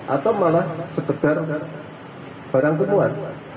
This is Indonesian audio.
atau malah sekedar barang bemuat